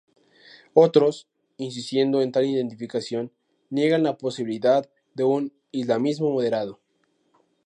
Otros, insistiendo en tal identificación, niegan la posibilidad de un "islamismo moderado".